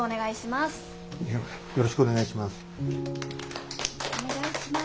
よろしくお願いします。